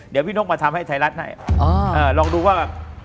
เดี๋ยวพี่นกมาทำให้ไทยรัฐให้ลองดูว่า